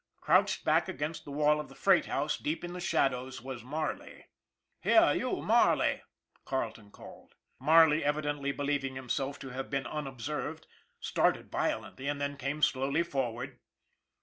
Crouched back against the wall of the freight house, deep in the shadows, was Marley. " Here you, Marley," Carleton called. Marley, evidently believing himself to have been unobserved, started violently, and then came slowly forward.